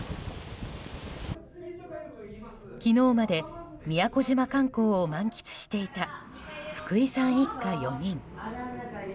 昨日まで宮古島観光を満喫していた福井さん一家４人。